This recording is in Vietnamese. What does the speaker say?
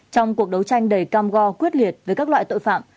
trong cuộc đấu tranh đầy cam go quyết liệt với các loại tội phạm